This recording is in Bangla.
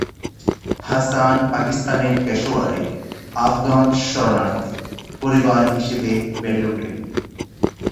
হাসান পাকিস্তানের পেশোয়ারে আফগান শরণার্থী পরিবার হিসেবে বেড়ে উঠেন।